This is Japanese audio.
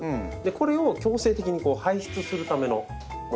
これを強制的に排出するためのものなんです。